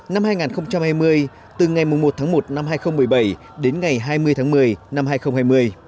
năm hai nghìn hai mươi từ ngày một tháng một năm hai nghìn một mươi bảy đến ngày hai mươi tháng một mươi năm hai nghìn hai mươi